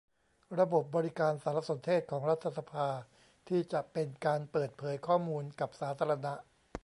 ระบบบริการสารสนเทศของรัฐสภาที่จะเป็นการเปิดเผยข้อมูลกับสาธารณะ